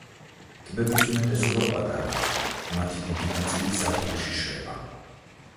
ტბების უმეტესობა პატარაა, მათი დიდი ნაწილი ზაფხულში შრება.